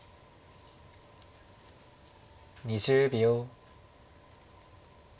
２０秒。